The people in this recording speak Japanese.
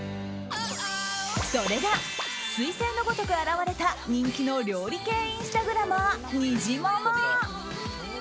それが彗星のごとく現れた人気の料理系インスタグラマーにじまま。